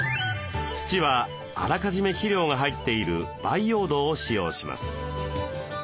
土はあらかじめ肥料が入っている培養土を使用します。